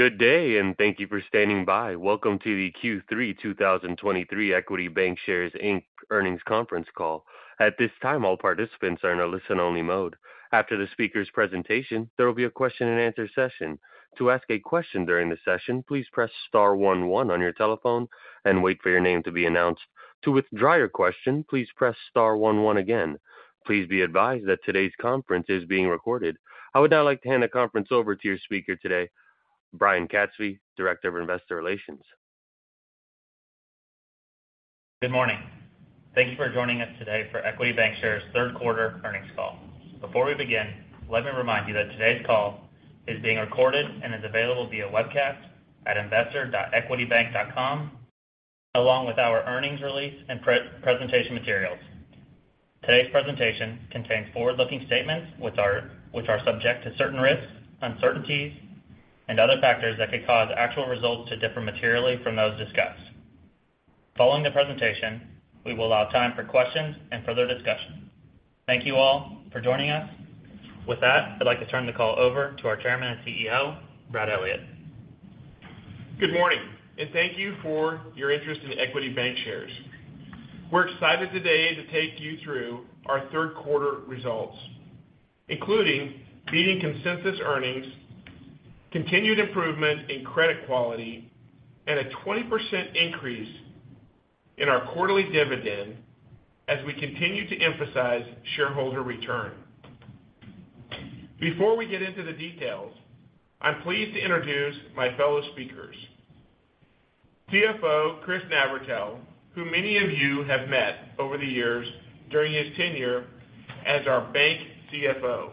Good day, and thank you for standing by. Welcome to the Q3 2023 Equity Bancshares, Inc. Earnings Conference Call. At this time, all participants are in a listen-only mode. After the speaker's presentation, there will be a question-and-answer session. To ask a question during the session, please press star one one on your telephone and wait for your name to be announced. To withdraw your question, please press star one one again. Please be advised that today's conference is being recorded. I would now like to hand the conference over to your speaker today, Brian Katzfey, Director of Investor Relations. Good morning. Thank you for joining us today for Equity Bancshares third quarter earnings call. Before we begin, let me remind you that today's call is being recorded and is available via webcast at investor.equitybank.com, along with our earnings release and presentation materials. Today's presentation contains forward-looking statements, which are, which are subject to certain risks, uncertainties, and other factors that could cause actual results to differ materially from those discussed. Following the presentation, we will allow time for questions and further discussion. Thank you all for joining us. With that, I'd like to turn the call over to our Chairman and CEO, Brad Elliott. Good morning, and thank you for your interest in Equity Bancshares. We're excited today to take you through our third quarter results, including beating consensus earnings, continued improvement in credit quality, and a 20% increase in our quarterly dividend as we continue to emphasize shareholder return. Before we get into the details, I'm pleased to introduce my fellow speakers, CFO Chris Navratil, who many of you have met over the years during his tenure as our bank CFO,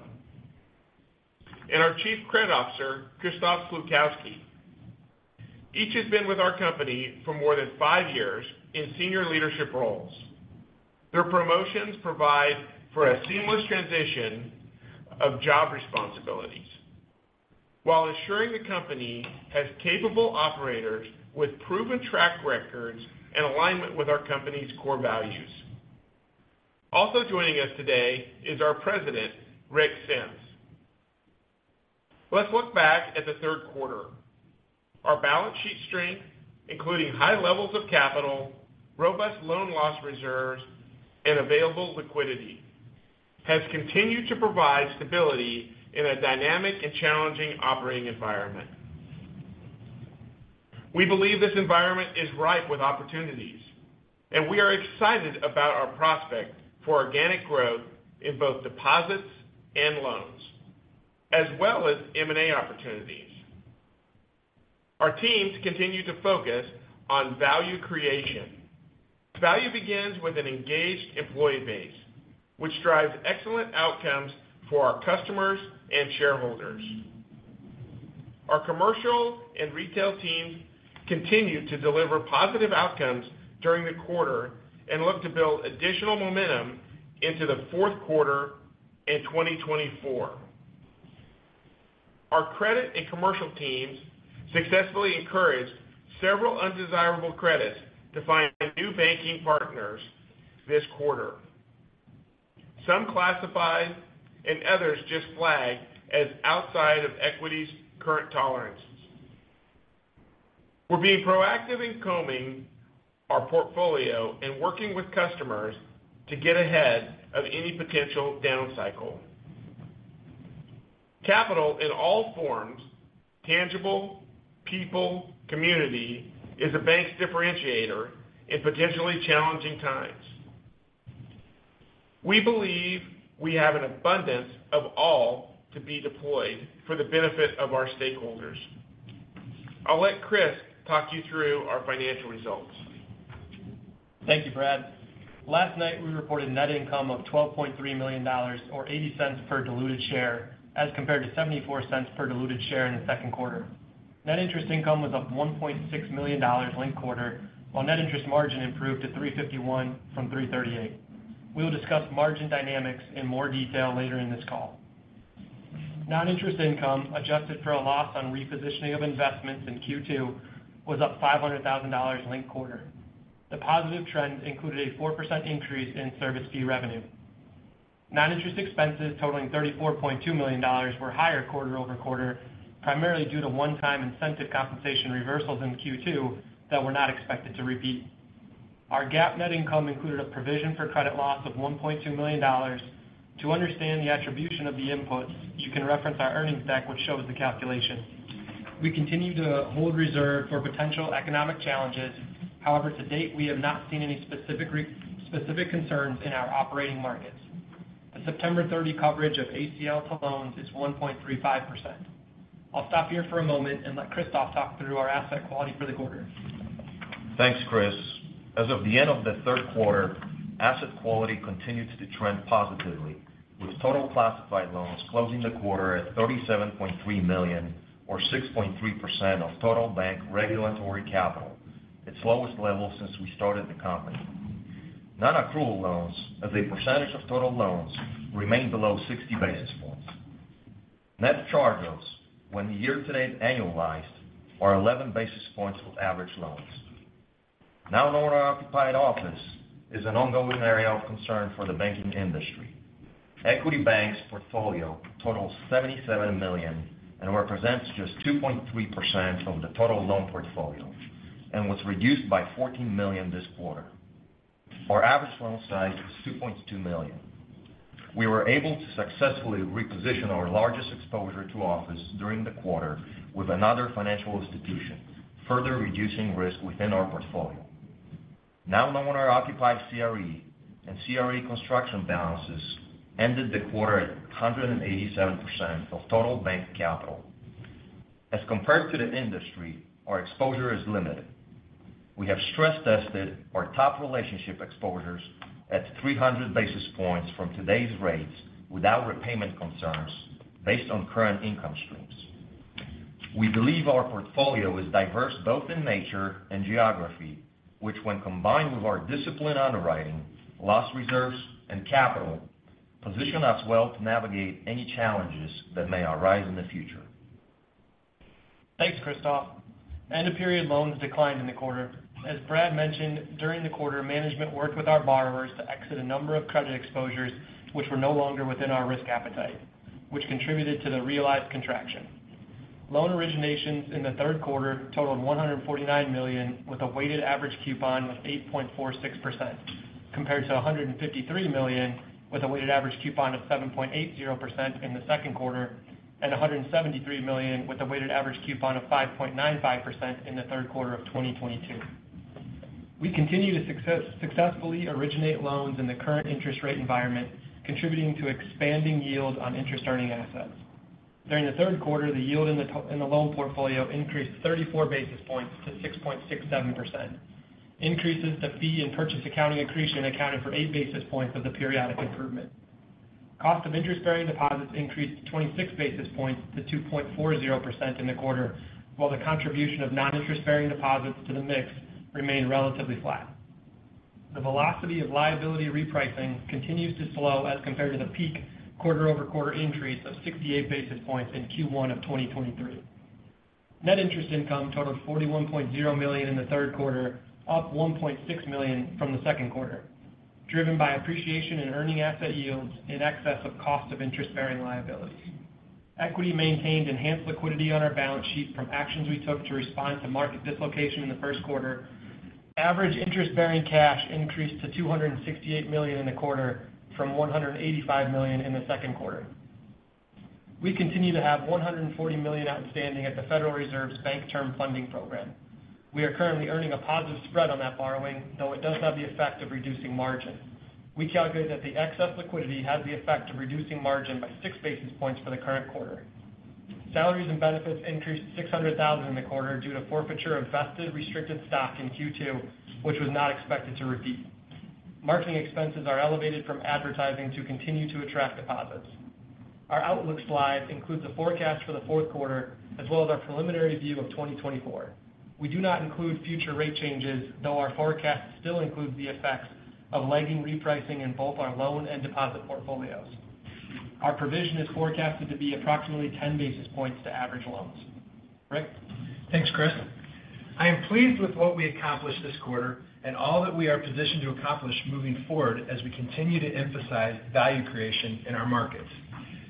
and our Chief Credit Officer, Krzysztof Slupkowski. Each has been with our company for more than five years in senior leadership roles. Their promotions provide for a seamless transition of job responsibilities while ensuring the company has capable operators with proven track records and alignment with our company's core values. Also joining us today is our President, Rick Sems. Let's look back at the third quarter. Our balance sheet strength, including high levels of capital, robust loan loss reserves, and available liquidity, has continued to provide stability in a dynamic and challenging operating environment. We believe this environment is ripe with opportunities, and we are excited about our prospect for organic growth in both deposits and loans, as well as M&A opportunities. Our teams continue to focus on value creation. Value begins with an engaged employee base, which drives excellent outcomes for our customers and shareholders. Our commercial and retail teams continued to deliver positive outcomes during the quarter and look to build additional momentum into the fourth quarter in 2024. Our credit and commercial teams successfully encouraged several undesirable credits to find new banking partners this quarter. Some classified and others just flagged as outside of Equity's current tolerances. We're being proactive in combing our portfolio and working with customers to get ahead of any potential down cycle. Capital in all forms, tangible, people, community, is a bank's differentiator in potentially challenging times. We believe we have an abundance of all to be deployed for the benefit of our stakeholders. I'll let Chris talk you through our financial results. Thank you, Brad. Last night, we reported net income of $12.3 million or $0.80 per diluted share, as compared to $0.74 per diluted share in the second quarter. Net interest income was up $1.6 million linked quarter, while net interest margin improved to 3.51% from 3.38%. We will discuss margin dynamics in more detail later in this call. Non-interest income, adjusted for a loss on repositioning of investments in Q2, was up $500,000 linked quarter. The positive trend included a 4% increase in service fee revenue. Non-interest expenses totaling $34.2 million were higher quarter-over-quarter, primarily due to one-time incentive compensation reversals in Q2 that were not expected to repeat. Our GAAP net income included a provision for credit loss of $1.2 million. To understand the attribution of the inputs, you can reference our earnings deck, which shows the calculation. We continue to hold reserve for potential economic challenges. However, to date, we have not seen any specific concerns in our operating markets. The September 30 coverage of ACL to loans is 1.35%. I'll stop here for a moment and let Krzysztof talk through our asset quality for the quarter. Thanks, Chris. As of the end of the third quarter, asset quality continued to trend positively, with total classified loans closing the quarter at $37.3 million or 6.3% of total bank regulatory capital, its lowest level since we started the company. Nonaccrual loans, as a percentage of total loans, remain below 60 basis points. Net charge-offs, when the year-to-date annualized, are 11 basis points of average loans.... Non-owner-occupied office is an ongoing area of concern for the banking industry. Equity Bank's portfolio totals $77 million and represents just 2.3% of the total loan portfolio, and was reduced by $14 million this quarter. Our average loan size is $2.2 million. We were able to successfully reposition our largest exposure to office during the quarter with another financial institution, further reducing risk within our portfolio. Non-owner-occupied CRE and CRE construction balances ended the quarter at 187% of total bank capital. As compared to the industry, our exposure is limited. We have stress-tested our top relationship exposures at 300 basis points from today's rates without repayment concerns based on current income streams. We believe our portfolio is diverse, both in nature and geography, which when combined with our disciplined underwriting, loss reserves, and capital, position us well to navigate any challenges that may arise in the future. Thanks, Krzysztof. End-of-period loans declined in the quarter. As Brad mentioned, during the quarter, management worked with our borrowers to exit a number of credit exposures which were no longer within our risk appetite, which contributed to the realized contraction. Loan originations in the third quarter totaled $149 million, with a weighted average coupon of 8.46%, compared to $153 million, with a weighted average coupon of 7.80% in the second quarter, and $173 million with a weighted average coupon of 5.95% in the third quarter of 2022. We continue to successfully originate loans in the current interest rate environment, contributing to expanding yield on interest-earning assets. During the third quarter, the yield in the loan portfolio increased 34 basis points to 6.67%. Increases to fee and purchase accounting accretion accounted for 8 basis points of the periodic improvement. Cost of interest-bearing deposits increased 26 basis points to 2.40% in the quarter, while the contribution of non-interest-bearing deposits to the mix remained relatively flat. The velocity of liability repricing continues to slow as compared to the peak quarter-over-quarter increase of 68 basis points in Q1 of 2023. Net interest income totaled $41.0 million in the third quarter, up $1.6 million from the second quarter, driven by appreciation in earning asset yields in excess of cost of interest-bearing liabilities. Equity maintained enhanced liquidity on our balance sheet from actions we took to respond to market dislocation in the first quarter. Average interest-bearing cash increased to $268 million in the quarter, from $185 million in the second quarter. We continue to have $140 million outstanding at the Federal Reserve's Bank Term Funding Program. We are currently earning a positive spread on that borrowing, though it does have the effect of reducing margin. We calculate that the excess liquidity has the effect of reducing margin by 6 basis points for the current quarter. Salaries and benefits increased $600,000 in the quarter due to forfeiture of vested restricted stock in Q2, which was not expected to repeat. Marketing expenses are elevated from advertising to continue to attract deposits. Our outlook slide includes a forecast for the fourth quarter, as well as our preliminary view of 2024. We do not include future rate changes, though our forecast still includes the effects of lagging repricing in both our loan and deposit portfolios. Our provision is forecasted to be approximately 10 basis points to average loans. Rick? Thanks, Chris. I am pleased with what we accomplished this quarter and all that we are positioned to accomplish moving forward as we continue to emphasize value creation in our markets.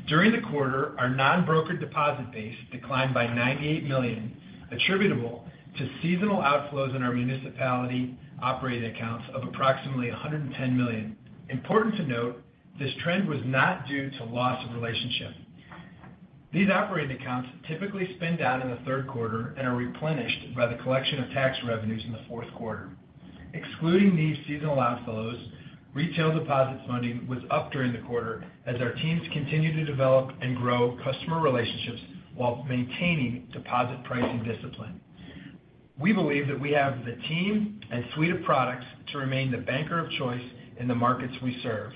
During the quarter, our non-brokered deposit base declined by $98 million, attributable to seasonal outflows in our municipality operating accounts of approximately $110 million. Important to note, this trend was not due to loss of relationship. These operating accounts typically spend down in the third quarter and are replenished by the collection of tax revenues in the fourth quarter. Excluding these seasonal outflows, retail deposits funding was up during the quarter as our teams continued to develop and grow customer relationships while maintaining deposit pricing discipline. We believe that we have the team and suite of products to remain the banker of choice in the markets we serve.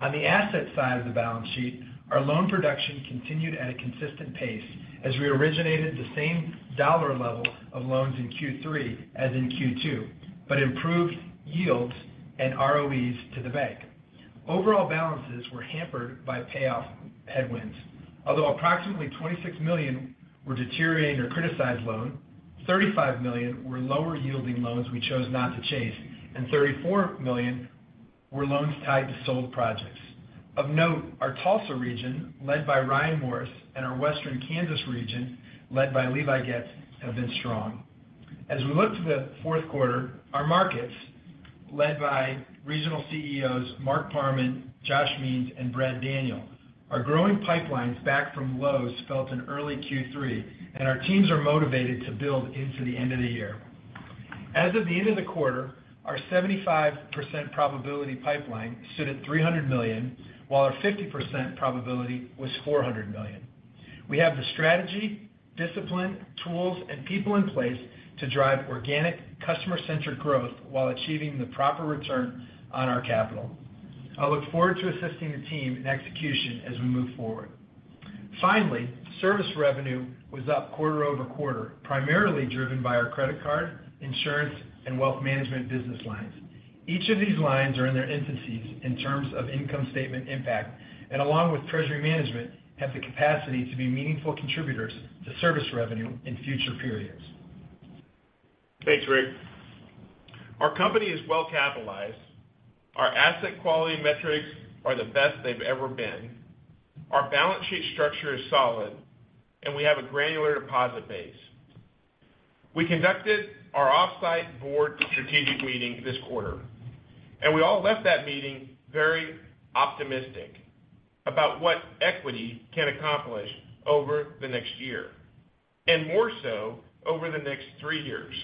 On the asset side of the balance sheet, our loan production continued at a consistent pace as we originated the same dollar level of loans in Q3 as in Q2, but improved yields and ROEs to the bank. Overall balances were hampered by payoff headwinds, although approximately $26 million were deteriorating or criticized loan, $35 million were lower-yielding loans we chose not to chase, and $34 million were loans tied to sold projects. Of note, our Tulsa region, led by Ryan Morris, and our Western Kansas region, led by Levi Getz, have been strong. As we look to the fourth quarter, our markets, led by regional CEOs Mark Parman, Josh Means, and Brad Daniel, are growing pipelines back from lows felt in early Q3, and our teams are motivated to build into the end of the year. As of the end of the quarter, our 75% probability pipeline stood at $300 million, while our 50% probability was $400 million. We have the strategy, discipline, tools, and people in place to drive organic, customer-centric growth while achieving the proper return on our capital. I look forward to assisting the team in execution as we move forward. Finally, service revenue was up quarter-over-quarter, primarily driven by our credit card, insurance, and wealth management business lines. Each of these lines are in their infancies in terms of income statement impact, and along with treasury management, have the capacity to be meaningful contributors to service revenue in future periods. .Thanks, Rick. Our company is well capitalized. Our asset quality metrics are the best they've ever been. Our balance sheet structure is solid, and we have a granular deposit base. We conducted our off-site board strategic meeting this quarter, and we all left that meeting very optimistic about what Equity can accomplish over the next year, and more so over the next three years.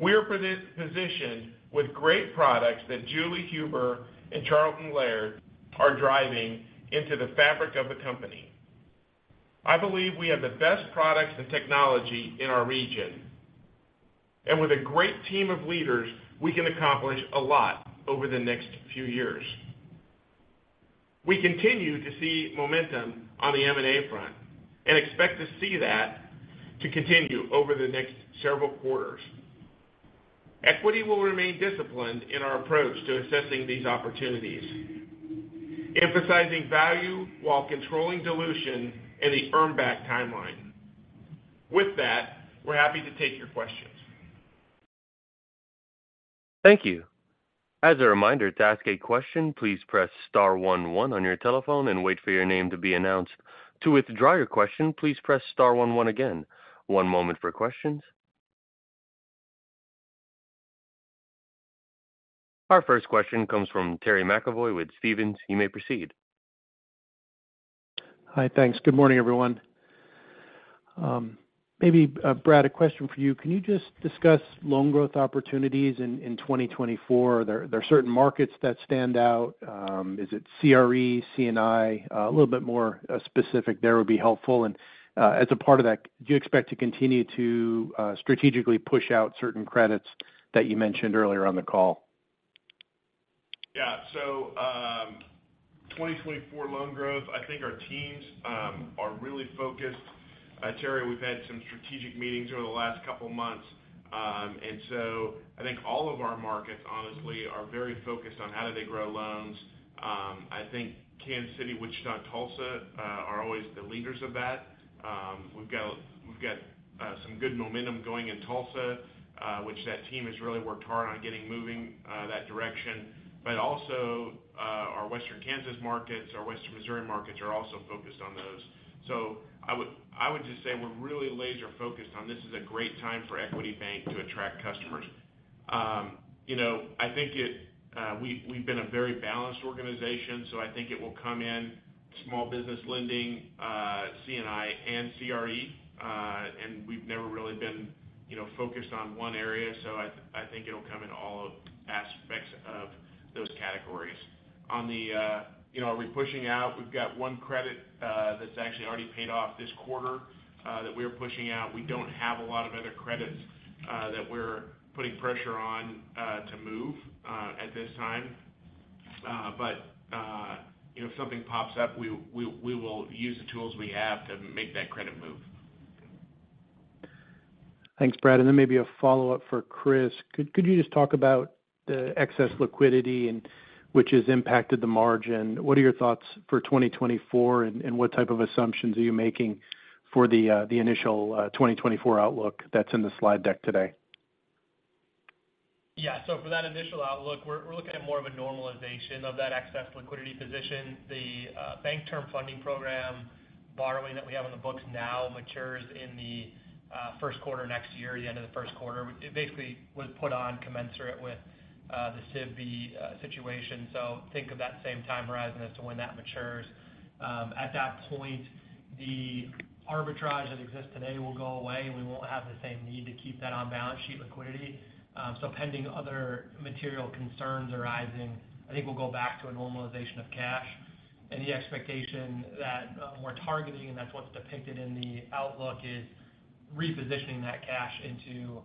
We are positioned with great products that Julie Huber and Charlton Laird are driving into the fabric of the company. I believe we have the best products and technology in our region, and with a great team of leaders, we can accomplish a lot over the next few years. We continue to see momentum on the M&A front and expect to see that to continue over the next several quarters. Equity will remain disciplined in our approach to assessing these opportunities, emphasizing value while controlling dilution and the earn back timeline. With that, we're happy to take your questions. Thank you. As a reminder, to ask a question, please press star one, one on your telephone and wait for your name to be announced. To withdraw your question, please press star one, one again. One moment for questions. Our first question comes from Terry McEvoy with Stephens. You may proceed. Hi. Thanks. Good morning, everyone. Maybe, Brad, a question for you. Can you just discuss loan growth opportunities in 2024? Are there certain markets that stand out? Is it CRE, C&I? A little bit more specific there would be helpful. And, as a part of that, do you expect to continue to strategically push out certain credits that you mentioned earlier on the call? Yeah. So, 2024 loan growth, I think our teams are really focused. Terry, we've had some strategic meetings over the last couple of months. And so I think all of our markets, honestly, are very focused on how do they grow loans. I think Kansas City, Wichita, Tulsa are always the leaders of that. We've got, we've got some good momentum going in Tulsa, which that team has really worked hard on getting moving that direction. But also, our Western Kansas markets, our Western Missouri markets are also focused on those. So I would, I would just say we're really laser focused on this is a great time for Equity Bank to attract customers. You know, I think it—we've been a very balanced organization, so I think it will come in small business lending, C&I and CRE, and we've never really been, you know, focused on one area, so I, I think it'll come in all aspects of those categories. On the, you know, are we pushing out? We've got one credit, that's actually already paid off this quarter, that we're pushing out. We don't have a lot of other credits, that we're putting pressure on, to move, at this time. But, you know, if something pops up, we, we will use the tools we have to make that credit move. Thanks, Brad. And then maybe a follow-up for Chris. Could you just talk about the excess liquidity and which has impacted the margin? What are your thoughts for 2024, and what type of assumptions are you making for the initial 2024 outlook that's in the slide deck today? Yeah. So for that initial outlook, we're looking at more of a normalization of that excess liquidity position. The Bank Term Funding Program borrowing that we have on the books now matures in the first quarter next year, the end of the first quarter. It basically was put on commensurate with the SVB situation. So think of that same time horizon as to when that matures. At that point, the arbitrage that exists today will go away, and we won't have the same need to keep that on balance sheet liquidity. So pending other material concerns arising, I think we'll go back to a normalization of cash. The expectation that we're targeting, and that's what's depicted in the outlook, is repositioning that cash into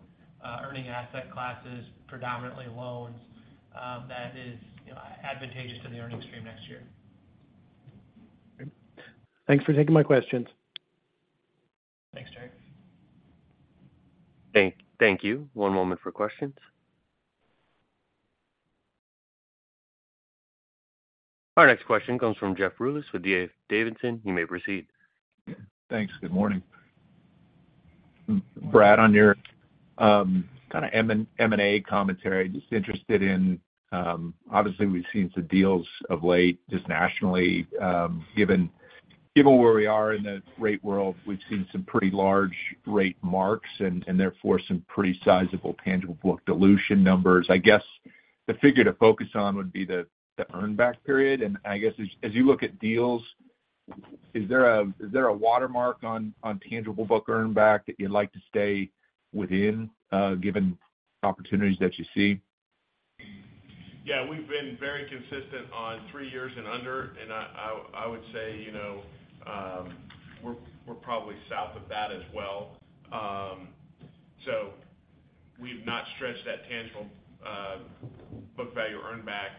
earning asset classes, predominantly loans, that is, you know, advantageous to the earning stream next year. Great. Thanks for taking my questions. Thanks, Terry. Thank you. One moment for questions. Our next question comes from Jeff Rulis with D.A. Davidson. You may proceed. Thanks. Good morning. Brad, on your kind of M&A commentary, just interested in... obviously, we've seen some deals of late, just nationally, given, given where we are in the rate world, we've seen some pretty large rate marks and, and therefore, some pretty sizable tangible book dilution numbers. I guess the figure to focus on would be the, the earn back period. And I guess as, as you look at deals, is there a, is there a watermark on, on tangible book earn back that you'd like to stay within, given opportunities that you see? Yeah, we've been very consistent on three years and under, and I would say, you know, we're probably south of that as well. So we've not stretched that tangible book value earn back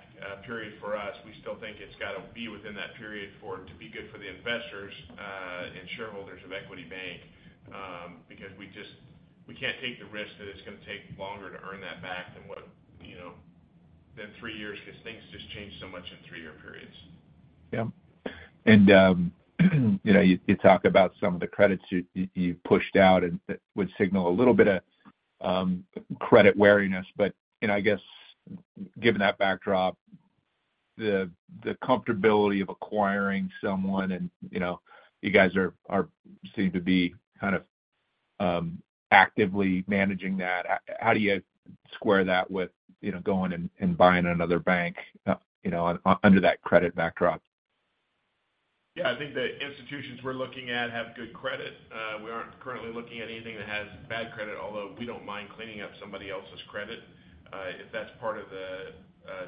period for us. We still think it's got to be within that period for it to be good for the investors and shareholders of Equity Bank, because we just, we can't take the risk that it's going to take longer to earn that back than what, you know, than three years, because things just change so much in three-year periods. Yeah. And you know, you talk about some of the credits you pushed out, and that would signal a little bit of credit wariness. But you know, I guess given that backdrop, the comfortability of acquiring someone, and you know, you guys seem to be kind of actively managing that. How do you square that with, you know, going and buying another bank, you know, under that credit backdrop? Yeah, I think the institutions we're looking at have good credit. We aren't currently looking at anything that has bad credit, although we don't mind cleaning up somebody else's credit. If that's part of the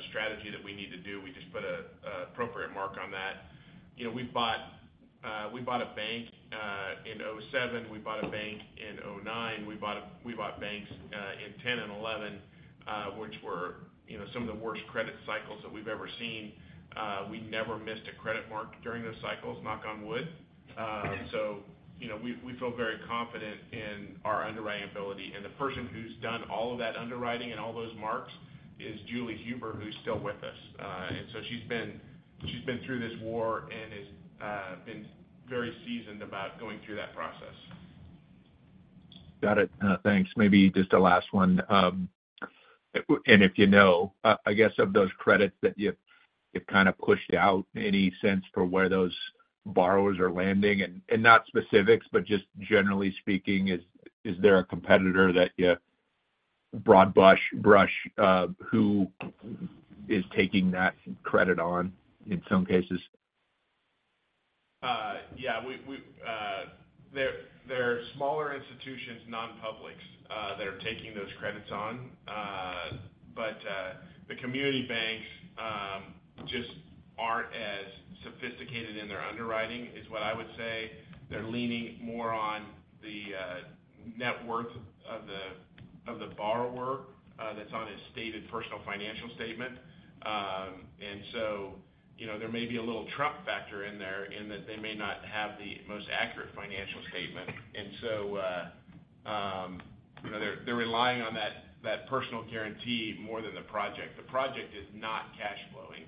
strategy that we need to do, we just put a appropriate mark on that. You know, we bought a bank in 2007. We bought a bank in 2009. We bought banks in 2010 and 2011, which were, you know, some of the worst credit cycles that we've ever seen. We never missed a credit mark during those cycles, knock on wood. So, you know, we feel very confident in our underwriting ability. And the person who's done all of that underwriting and all those marks is Julie Huber, who's still with us. And so she's been through this war and has been very seasoned about going through that process. Got it. Thanks. Maybe just a last one. And if you know, I guess, of those credits that you've kind of pushed out, any sense for where those borrowers are landing? And not specifics, but just generally speaking, is there a competitor that you broad brush who is taking that credit on in some cases? Yeah, there are smaller institutions, non-publics, that are taking those credits on. But the community banks just aren't as sophisticated in their underwriting, is what I would say. They're leaning more on the net worth of the borrower that's on his stated personal financial statement. And so, you know, there may be a little Trump factor in there, in that they may not have the most accurate financial statement. And so, you know, they're relying on that personal guarantee more than the project. The project is not cash flowing,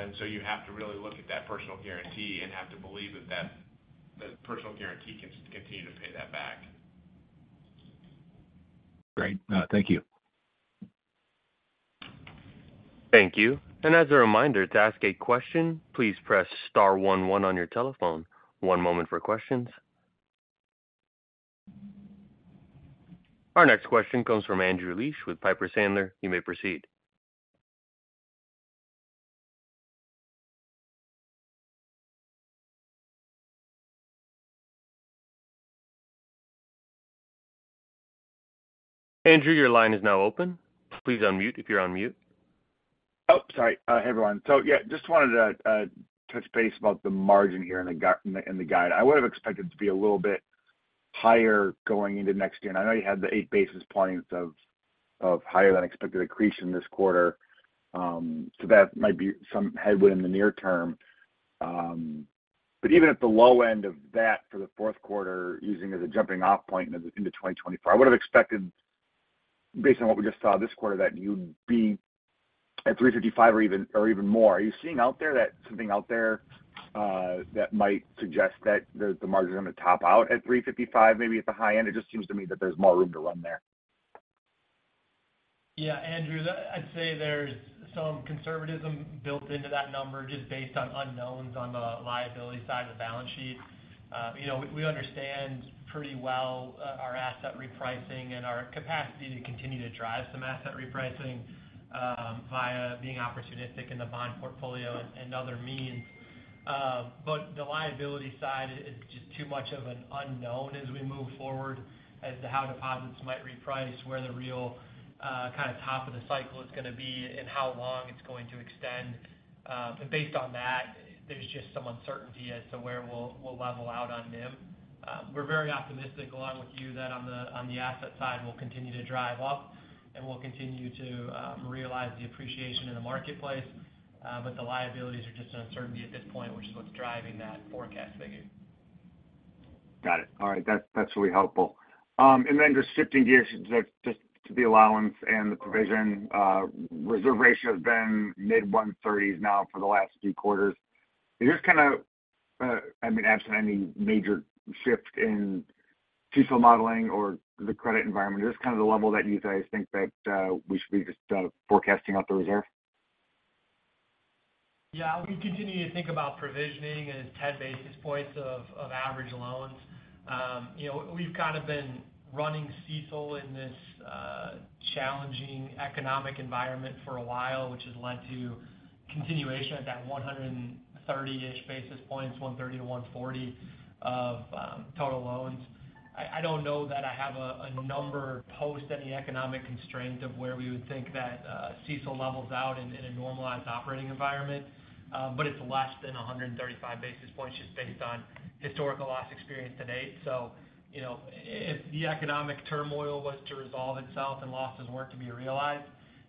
and so you have to really look at that personal guarantee and have to believe that the personal guarantee can continue to pay that back. Great, thank you. Thank you. As a reminder, to ask a question, please press star one one on your telephone. One moment for questions. Our next question comes from Andrew Liesch with Piper Sandler. You may proceed. Andrew, your line is now open. Please unmute if you're on mute. Oh, sorry, hey, everyone. So yeah, just wanted to touch base about the margin here and the guide. I would've expected it to be a little bit higher going into next year. I know you had the 8 basis points of higher than expected accretion this quarter. So that might be some headway in the near term. But even at the low end of that for the fourth quarter, using as a jumping off point into 2024, I would've expected, based on what we just saw this quarter, that you'd be at 3.55% or even more. Are you seeing out there that something out there that might suggest that the margin is going to top out at 3.55%, maybe at the high end? It just seems to me that there's more room to run there. Yeah, Andrew, that—I'd say there's some conservatism built into that number, just based on unknowns on the liability side of the balance sheet. You know, we, we understand pretty well our asset repricing and our capacity to continue to drive some asset repricing, via being opportunistic in the bond portfolio and, and other means. But the liability side is just too much of an unknown as we move forward, as to how deposits might reprice, where the real, kind of, top of the cycle is going to be and how long it's going to extend. But based on that, there's just some uncertainty as to where we'll, we'll level out on NIM. We're very optimistic, along with you, that on the, on the asset side, we'll continue to drive up, and we'll continue to realize the appreciation in the marketplace. The liabilities are just an uncertainty at this point, which is what's driving that forecast figure. Got it. All right. That's, that's really helpful. And then just shifting gears just, just to the allowance and the provision, reserve ratio has been mid-130s now for the last few quarters. Is this kind of, I mean, absent any major shift in CECL modeling or the credit environment, is this kind of the level that you guys think that we should be just forecasting out the reserve? Yeah, we continue to think about provisioning as 10 basis points of average loans. You know, we've kind of been running CECL in this challenging economic environment for a while, which has led to continuation at that 130-ish basis points, 130 to 140, of total loans. I don't know that I have a number post any economic constraint of where we would think that CECL levels out in a normalized operating environment. But it's less than 135 basis points, just based on historical loss experience to date. So you know, if the economic turmoil was to resolve itself and losses were to be realized,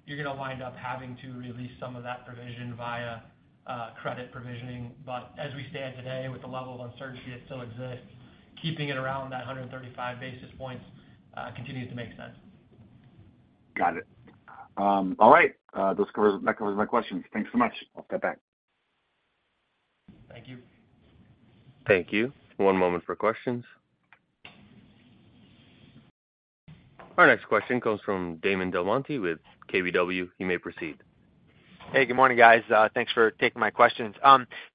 you're going to wind up having to release some of that provision via credit provisioning. But as we stand today, with the level of uncertainty that still exists, keeping it around that 135 basis points continues to make sense.... Got it. All right, that covers my questions. Thanks so much. I'll step back. Thank you. Thank you. One moment for questions. Our next question comes from Damon DelMonte with KBW. You may proceed. Hey, good morning, guys. Thanks for taking my questions.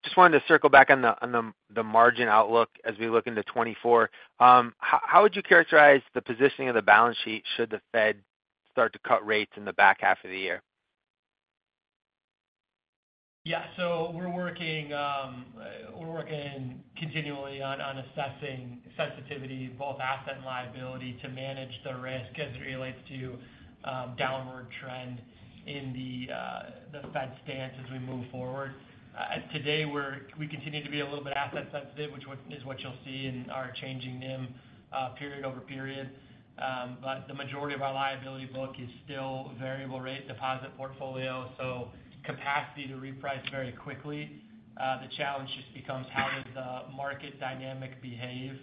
Just wanted to circle back on the margin outlook as we look into 2024. How would you characterize the positioning of the balance sheet should the Fed start to cut rates in the back half of the year? Yeah, so we're working, we're working continually on assessing sensitivity, both asset and liability, to manage the risk as it relates to downward trend in the Fed stance as we move forward. Today, we continue to be a little bit asset sensitive, which is what you'll see in our changing NIM period over period. But the majority of our liability book is still variable rate deposit portfolio, so capacity to reprice very quickly. The challenge just becomes how does the market dynamic behave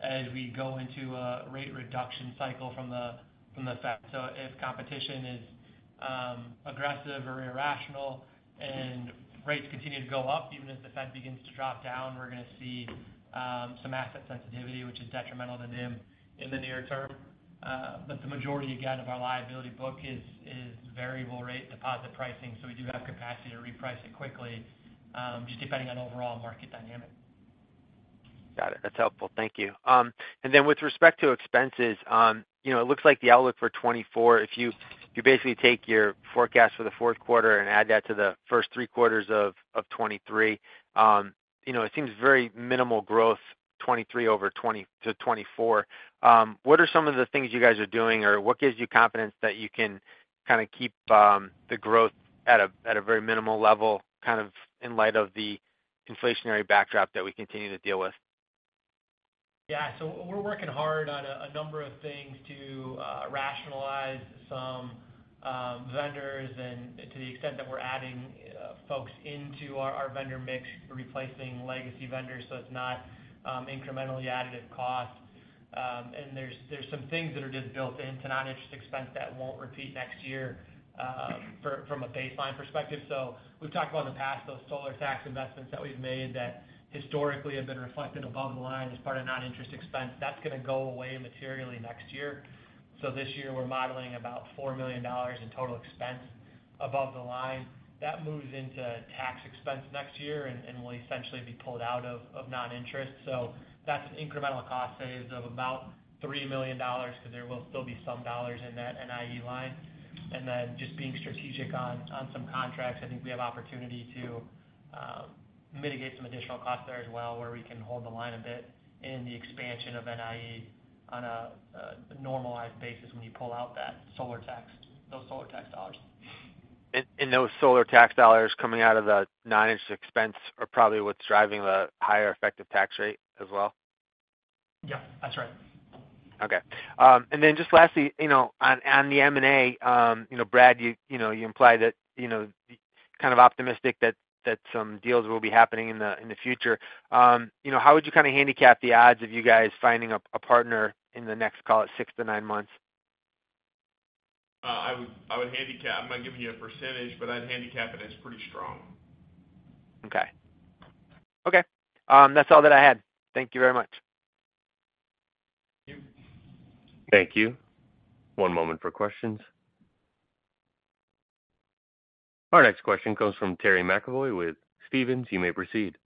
as we go into a rate reduction cycle from the Fed? So if competition is aggressive or irrational and rates continue to go up, even as the Fed begins to drop down, we're going to see some asset sensitivity, which is detrimental to NIM in the near term. But the majority, again, of our liability book is variable rate deposit pricing, so we do have capacity to reprice it quickly, just depending on overall market dynamic. Got it. That's helpful. Thank you. And then with respect to expenses, you know, it looks like the outlook for 2024, if you basically take your forecast for the fourth quarter and add that to the first three quarters of 2023, you know, it seems very minimal growth, 2023 over 2020 to 2024. What are some of the things you guys are doing, or what gives you confidence that you can kind of keep the growth at a very minimal level, kind of in light of the inflationary backdrop that we continue to deal with? Yeah, so we're working hard on a number of things to rationalize some vendors, and to the extent that we're adding folks into our vendor mix, replacing legacy vendors, so it's not incrementally additive cost. And there's some things that are just built into non-interest expense that won't repeat next year, from a baseline perspective. So we've talked about in the past, those solar tax investments that we've made that historically have been reflected above the line as part of non-interest expense. That's going to go away materially next year. So this year, we're modeling about $4 million in total expense above the line. That moves into tax expense next year and will essentially be pulled out of non-interest. So that's an incremental cost save of about $3 million, because there will still be some dollars in that NIE line. And then just being strategic on some contracts, I think we have opportunity to mitigate some additional costs there as well, where we can hold the line a bit in the expansion of NIE on a normalized basis when you pull out that solar tax, those solar tax dollars. And those solar tax dollars coming out of the non-interest expense are probably what's driving the higher effective tax rate as well? Yeah, that's right. Okay. And then just lastly, you know, on the M&A, you know, Brad, you know, you implied that, you know, kind of optimistic that some deals will be happening in the future. You know, how would you kind of handicap the odds of you guys finding a partner in the next, call it, six to nine months? I would handicap -- I'm not giving you a percentage, but I'd handicap it as pretty strong. Okay. Okay, that's all that I had. Thank you very much. Thank you. Thank you. One moment for questions. Our next question comes from Terry McEvoy with Stephens. You may proceed.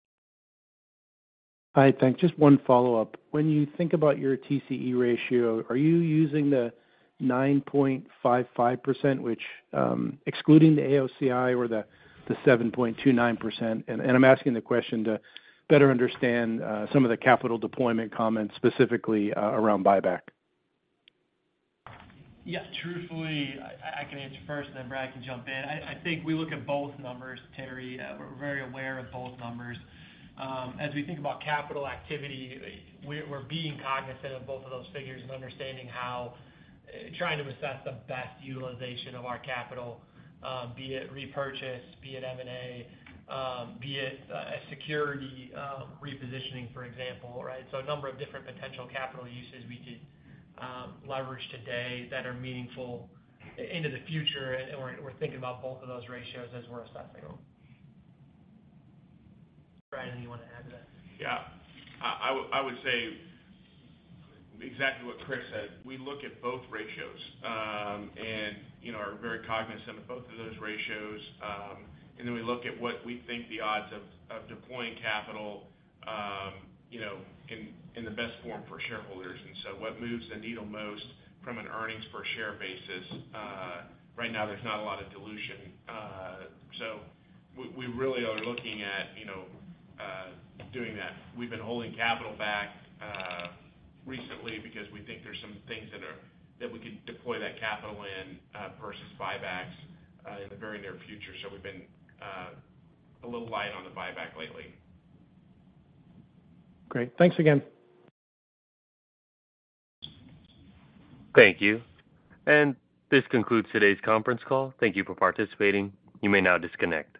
Hi, thanks. Just one follow-up. When you think about your TCE ratio, are you using the 9.55%, which, excluding the AOCI or the 7.29%? And I'm asking the question to better understand some of the capital deployment comments, specifically, around buyback. Yeah, truthfully, I can answer first, and then Brad can jump in. I think we look at both numbers, Terry. We're very aware of both numbers. As we think about capital activity, we're being cognizant of both of those figures and understanding how... trying to assess the best utilization of our capital, be it repurchase, be it M&A, be it a security repositioning, for example, right? So a number of different potential capital uses we could leverage today that are meaningful into the future, and we're thinking about both of those ratios as we're assessing them. Brad, anything you want to add to that? Yeah. I would say exactly what Chris said. We look at both ratios, and you know, are very cognizant of both of those ratios. And then we look at what we think the odds of deploying capital, you know, in the best form for shareholders. And so what moves the needle most from an earnings per share basis? Right now, there's not a lot of dilution. So we really are looking at, you know, doing that. We've been holding capital back recently because we think there's some things that we could deploy that capital in versus buybacks in the very near future. So we've been a little light on the buyback lately. Great. Thanks again. Thank you. This concludes today's conference call. Thank you for participating. You may now disconnect.